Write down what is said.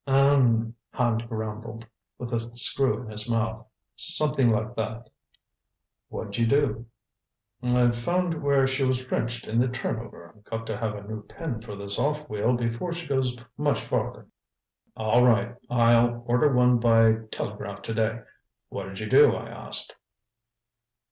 "Uh m," Hand grumbled, with a screw in his mouth. "Something like that." "What'd you do?" "I've found where she was wrenched in the turn over. Got to have a new pin for this off wheel before she goes much farther." "All right, I'll order one by telegraph to day. What 'd you do, I asked."